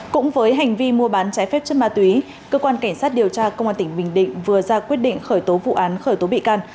cũng với hành vi mua bán trái phép chất ma túy cơ quan cảnh sát điều tra công an tỉnh bình định vừa ra quyết định khởi tố vụ án khởi tố bị can